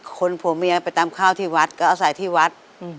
ผัวเมียไปตามข้าวที่วัดก็อาศัยที่วัด